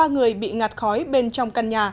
ba người bị ngạt khói bên trong căn nhà